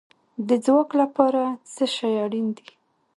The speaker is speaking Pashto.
د ځواک لپاره څه شی اړین دی؟